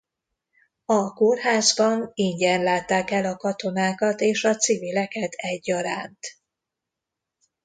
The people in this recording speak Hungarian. A kórházban ingyen látták el a katonákat és a civileket egyaránt.